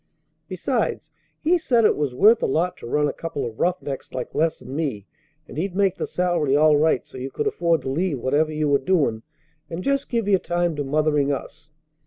Besides, he said it was worth a lot to run a couple of rough necks like Les and me, and he'd make the salary all right so you could afford to leave whatever you were doing and just give your time to mothering us.